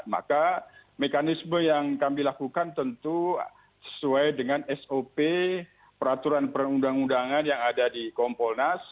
maka mekanisme yang kami lakukan tentu sesuai dengan sop peraturan perundang undangan yang ada di kompolnas